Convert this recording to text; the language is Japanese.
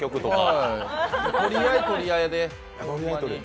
取り合い、取り合いでホンマに。